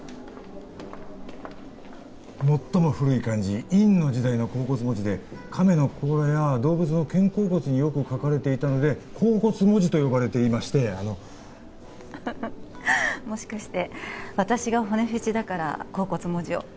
最も古い漢字殷の時代の甲骨文字で亀の甲羅や動物の肩甲骨によく書かれていたので甲骨文字と呼ばれていましてあのもしかして私が骨フェチだから甲骨文字を？